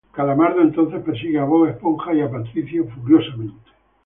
Calamardo entonces persigue a Bob Esponja y a Patricio furiosamente.